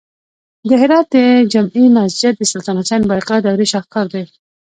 د هرات د جمعې مسجد د سلطان حسین بایقرا دورې شاهکار دی